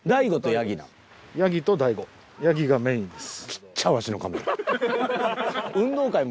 ヤギがメインです。